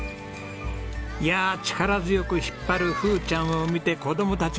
いや力強く引っ張るふーちゃんを見て子供たちは。